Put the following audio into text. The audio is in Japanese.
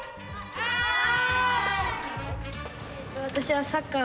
はい！